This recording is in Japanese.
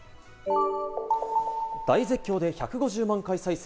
大絶叫で１５０万回再生。